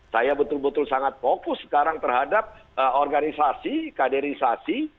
saya betul betul sangat fokus sekarang terhadap organisasi kaderisasi